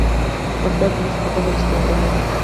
ښوونځی زموږ خوبونه رښتیا کوي